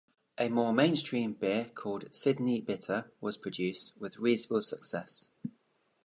A more mainstream beer called Sydney Bitter was produced, with reasonable success.